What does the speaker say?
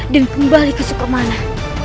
dan kembali ke sukamana